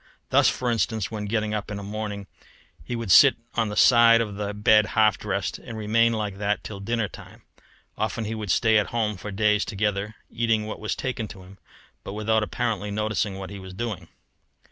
Thus, for instance, when getting up in a morning he would sit on the side of the bed half dressed, and remain like that till dinner time. Often he would stay at home for days together, eating what was taken to him, but without apparently noticing what he was doing.